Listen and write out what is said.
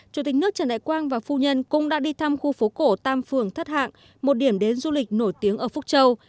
chủ tịch nước trần đại quang và phu nhân cũng đã đi thăm khu phố cổ tam phường thất hạng một điểm đến du lịch nổi tiếng ở phúc châu